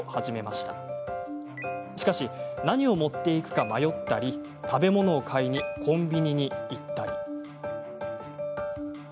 しかし何を持っていくか迷ったり食べ物を買いにコンビニに行ったり。